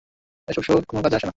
এসব শো কোনো কাজে আসে না।